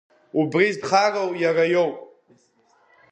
Убри зхароу иара иоуп.